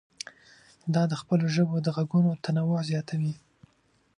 دا د خپلو ژبو د غږونو تنوع زیاتوي.